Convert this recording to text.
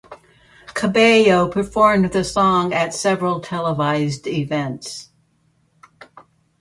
Cabello performed the song at several televised events.